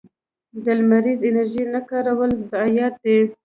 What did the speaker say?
د لمریزې انرژۍ نه کارول ضایعات دي.